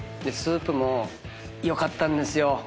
スープもよかったんですよ！